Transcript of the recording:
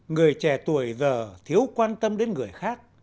người trẻ tuổi giờ thiếu quan tâm đến người khác